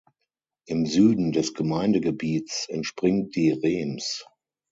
Im Süden des Gemeindegebiets entspringt die Rems.